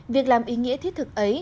việc làm ý nghĩa thiết thực ấy